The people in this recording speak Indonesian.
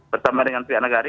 bersama dengan vian nagari